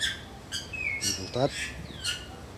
Игылтат?